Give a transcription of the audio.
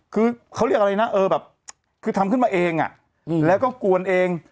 คือเขาเรียกอะไรนะเออแบบคือทำขึ้นมาเองแล้วก็กวนเอง